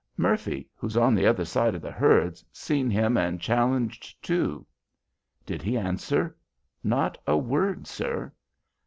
Murphy, who's on the other side of the herds, seen him and challenged too." "Did he answer?" "Not a word, sir."